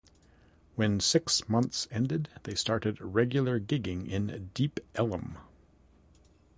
When the six months ended, they started regular gigging in Deep Ellum.